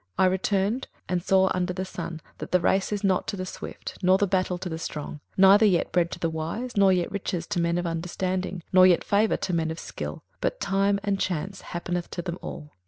21:009:011 I returned, and saw under the sun, that the race is not to the swift, nor the battle to the strong, neither yet bread to the wise, nor yet riches to men of understanding, nor yet favour to men of skill; but time and chance happeneth to them all.